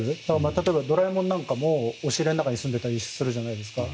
例えばドラえもんなんかも押し入れの中に住んでたりするじゃないですか。